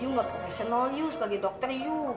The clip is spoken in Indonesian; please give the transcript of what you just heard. lu ga profesional lu sebagai dokter lu